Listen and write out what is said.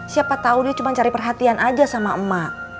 siapa tahu dia cuma cari perhatian aja sama emak